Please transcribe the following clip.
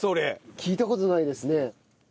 聞いた事ないですね。